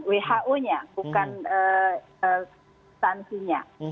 who nya bukan stansinya